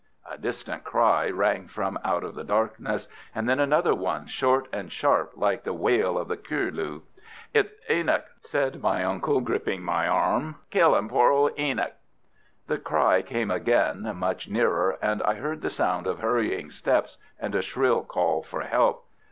A distant cry rang from out of the darkness, and then another one, short and sharp like the wail of the curlew. "It's Enoch!" said my uncle, gripping my arm. "They're killin' poor old Enoch." The cry came again, much nearer, and I heard the sound of hurrying steps and a shrill call for help.